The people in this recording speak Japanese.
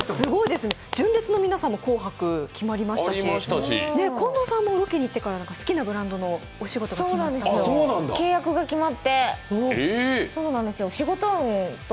純烈の皆さんも「紅白」決まりましたし、近藤さんもロケに行ってから好きなブランドのお仕事が決まったと。